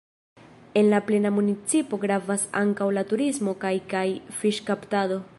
En la plena municipo gravas ankaŭ la turismo kaj kaj fiŝkaptado.